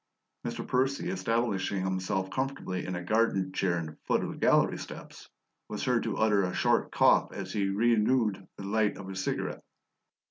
Mr. Percy, establishing himself comfortably in a garden chair at the foot of the gallery steps, was heard to utter a short cough as he renewed the light of his cigarette.